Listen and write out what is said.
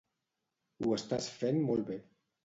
Ho estàs fent molt bé.